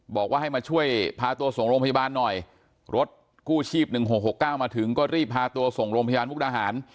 บอกว่าให้มาช่วยพาตัวส่งโรงพยาบาลหน่อยรถกู้ชีพ๑๖๖๙มาถึงก็รีบพาตัวส่งโรงพยาบาลมุกดาหาร